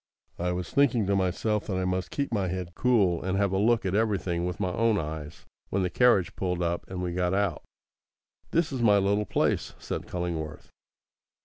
I was thinking to myself that I must keep my head cool, and have a look at everything with my own eyes, when the carriage pulled up and we got out. "This is my little place," said Cullingworth.